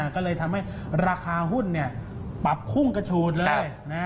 ก็เลยทำให้ราคาหุ้นปรับพุ่งกระฉูดเลย